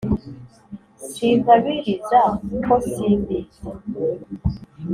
sinkabiriza ko simbizi